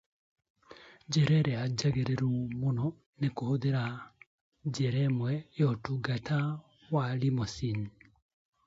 The most convenient way is by one of the numerous "limousine services".